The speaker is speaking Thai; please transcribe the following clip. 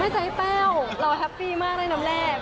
ใจแป้วเราแฮปปี้มากได้น้ำแรก